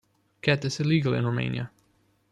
Khat is illegal in Romania.